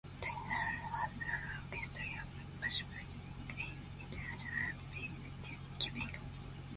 Senegal has a long history of participating in international peacekeeping.